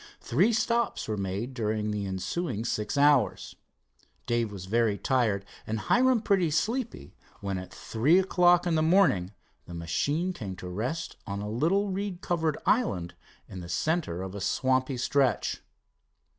Three stops were made during the ensuing six, hours. Dave was very tired and Hiram pretty sleepy, when, at three o'clock in the morning, the machine came to rest on a little reed covered island in the center of a swampy stretch.